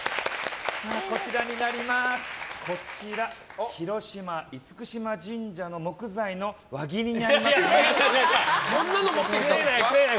こちら、広島・厳島神社の木材の輪切りになりますね。